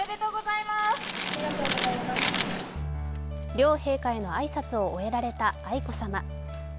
両陛下への挨拶を終えられた愛子さま。